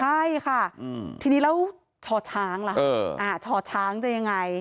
ใช่ค่ะทีนี้แล้วช่อช้างล่ะช่อช้างจะยังไง